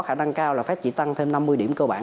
khả năng cao là phép chỉ tăng thêm năm mươi điểm cơ bản